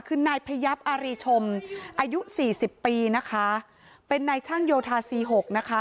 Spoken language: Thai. คือนายพยับอารีชมอายุสี่สิบปีนะคะเป็นนายช่างโยธาสี่หกนะคะ